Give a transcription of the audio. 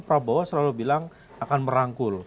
prabowo selalu bilang akan merangkul